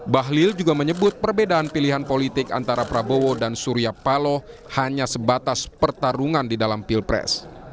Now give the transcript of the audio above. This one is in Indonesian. bahlil juga menyebut perbedaan pilihan politik antara prabowo dan surya paloh hanya sebatas pertarungan di dalam pilpres